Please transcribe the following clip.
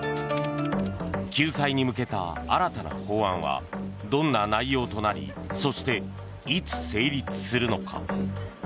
救済に向けた新たな法案はどんな内容となりそして、いつ成立するのか。